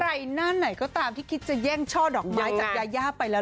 ใครหน้าไหนก็ตามที่คิดจะแย่งช่อดอกไม้จากยายาไปแล้ว